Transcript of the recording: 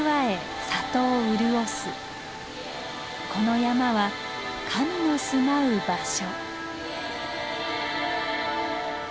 この山は神の住まう場所。